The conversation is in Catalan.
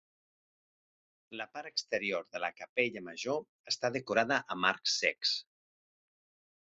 La part exterior de la capella major està decorada amb arcs cecs.